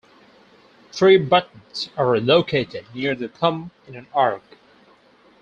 Three buttons are located near the thumb in an arc.